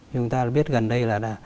nhưng ta biết gần đây là